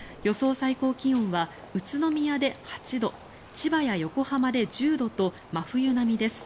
最高気温は宇都宮で８度千葉や横浜で１０度と真冬並みです。